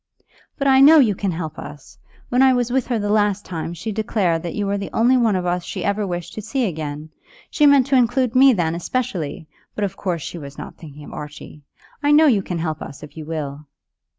"But I know you can help us. When I was with her the last time she declared that you were the only one of us she ever wished to see again. She meant to include me then especially, but of course she was not thinking of Archie. I know you can help us if you will."